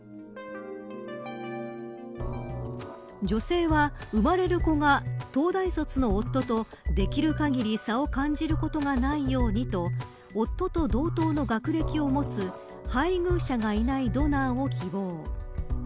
女性は、生まれる子が東大卒の夫とできる限り差を感じることがないようにと夫と同等の学歴を持つ配偶者がいないドナーを希望。